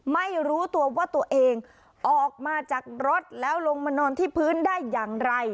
ไม่รู้ตัวว่าตัวเองออกมาจากรถแล้วลงมานอนที่พื้นได้อย่างไร